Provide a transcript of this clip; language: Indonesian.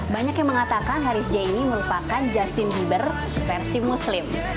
banyak yang mengatakan harris j ini merupakan justin bieber versi muslim